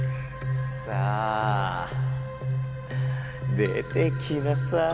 さあ出てきなさい。